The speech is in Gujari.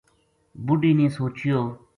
بڈھی نے سوچیو